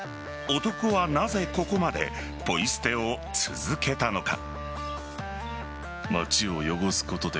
男は、なぜここまでポイ捨てを続けたのか。